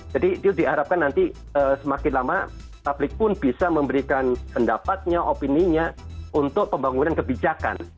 jadi itu diharapkan nanti semakin lama publik pun bisa memberikan pendapatnya opininya untuk pembangunan kebijakan